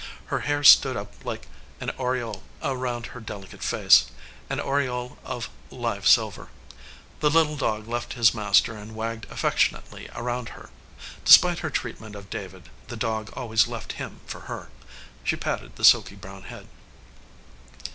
Her hair stood up like an aureole around her delicate face, an aureole of live silver. The little dog left his master and wagged affec tionately around her. Despite her treatment of David, the dog always left him for her. She patted the silky brown head.